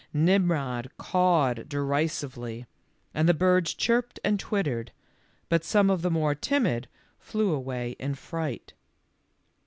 Nimrod cawed derisively, and the birds chirped and twittered, but some of the more timid flew away in fright.